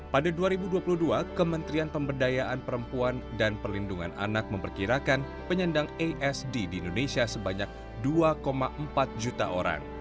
pada dua ribu dua puluh dua kementerian pemberdayaan perempuan dan perlindungan anak memperkirakan penyandang asd di indonesia sebanyak dua empat juta orang